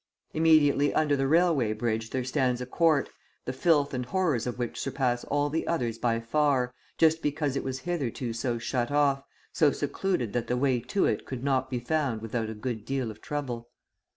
Immediately under the railway bridge there stands a court, the filth and horrors of which surpass all the others by far, just because it was hitherto so shut off, so secluded that the way to it could not be found without a good deal of trouble.